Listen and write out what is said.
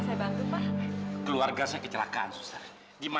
sampai jumpa di video selanjutnya